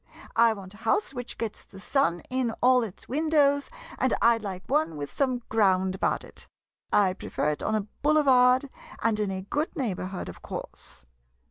I want a house which gets the sun in all its windows, and I 'd like one with some ground about it. I prefer it on a boule vard, and in a good neighborhood, of course.